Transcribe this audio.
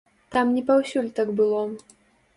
Там не паўсюль так было.